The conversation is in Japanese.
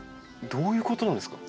どういうことなんですか？